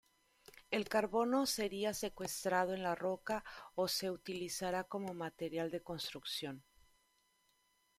El carbono seria secuestrado en la roca o se utilizara como material de construcción.